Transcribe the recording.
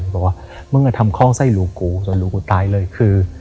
บอกว่ามึงทำคล่องไส้ลูกกูจนลูกกูตายเลยคือ